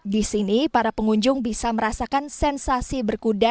di sini para pengunjung bisa merasakan sensasi berkuda